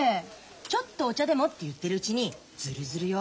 「ちょっとお茶でも」って言ってるうちにズルズルよ。